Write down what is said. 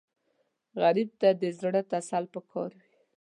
غریب ته د زړه تسل پکار وي